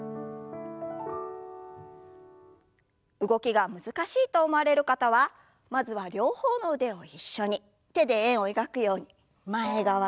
動きが難しいと思われる方はまずは両方の腕を一緒に手で円を描くように前側と後ろ側。